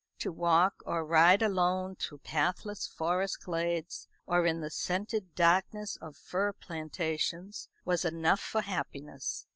To walk or ride alone through pathless forest glades, or in the scented darkness of fir plantations, was enough for happiness.